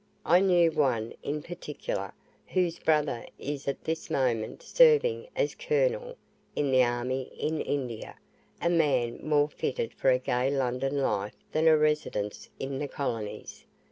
I knew one in particular, whose brother is at this moment serving as colonel in the army in India, a man more fitted for a gay London life than a residence in the colonies.